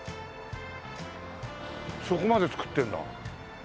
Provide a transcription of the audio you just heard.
そこまで造ってるんだ。